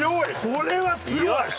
これはすごい！